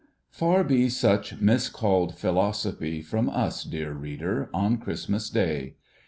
Far be such miscalled philosophy from us, dear Reader, on Christmas Day